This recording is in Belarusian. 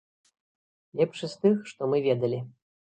Лепшы з тых, што мы ведалі.